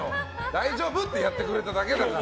大丈夫？ってやってくれただけだから。